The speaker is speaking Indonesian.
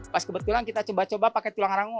pas kebetulan kita coba coba pakai tulang rangu